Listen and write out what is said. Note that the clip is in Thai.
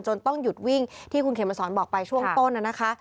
ต้องหยุดวิ่งที่คุณเขมสอนบอกไปช่วงต้นน่ะนะคะ